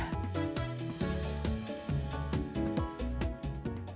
kau tidak percaya apa yang terjadi